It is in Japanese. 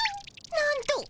なんと！